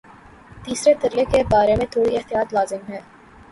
تیسرے ترلے کے بارے میں تھوڑی احتیاط لازم ہے۔